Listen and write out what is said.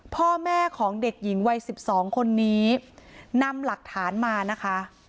พ่อแม่ของเด็กหญิงวัย๑๒คนนี้นำหลักฐานมานะคะ